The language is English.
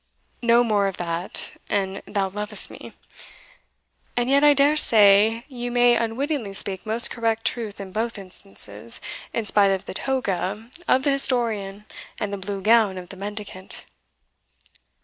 "No more of that, an thou lovest me And yet, I dare say, ye may unwittingly speak most correct truth in both instances, in despite of the toga of the historian and the blue gown of the mendicant."